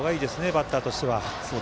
バッターとしては。